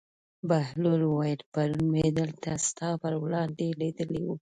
بهلول وویل: پرون مې دلته ستا پر وړاندې لیدلی و.